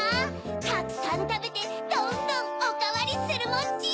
たくさんたべてどんどんおかわりするモッチー！